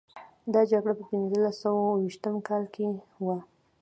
دا جګړه په پنځلس سوه او شپږویشتم کال کې وه.